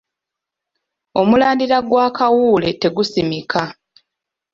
Omulandira gwa kawule tegusimika.